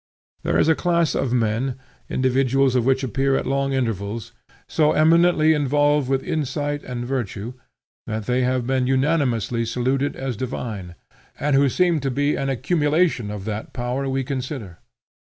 There is a class of men, individuals of which appear at long intervals, so eminently endowed with insight and virtue that they have been unanimously saluted as divine, and who seem to be an accumulation of that power we consider.